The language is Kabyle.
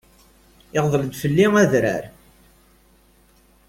Iɣḍel-d fell-i adrar.